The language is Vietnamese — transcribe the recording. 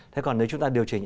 thế còn nếu chúng ta điều chỉnh